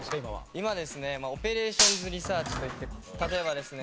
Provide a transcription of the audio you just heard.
今はですねオペレーションズ・リサーチといって例えばですね